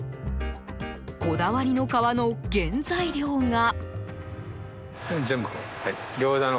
こだわりの皮の原材料が。